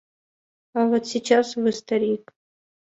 А вот сейчас вы старик.